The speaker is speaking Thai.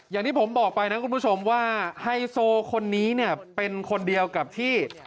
อย่างที่ผมบอกไปนะคุณผู้ชมว่าไฮโซคนนี้เนี่ยเป็นคนเดียวกับที่